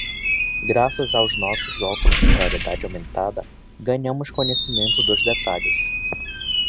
Graças aos nossos óculos de realidade aumentada, ganhamos conhecimento dos detalhes.